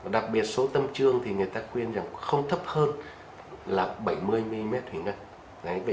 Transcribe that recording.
đặc biệt số tâm trương thì người ta khuyên rằng không thấp hơn là bảy mươi mm huyết áp